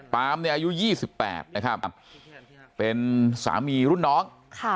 ปามเนี่ยอายุ๒๘นะครับเป็นสามีรุ่นน้อง